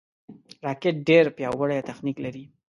راکټ ډېر پیاوړی تخنیک لري